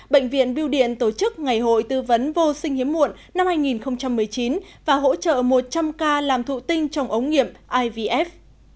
bệnh viện biêu điện tổ chức ngày hội tư vấn vô sinh hiếm muộn năm hai nghìn một mươi chín và hỗ trợ một trăm linh ca làm thụ tinh trong ống nghiệm ivf